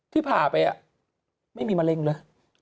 ผ่าไปไม่มีมะเร็งเลย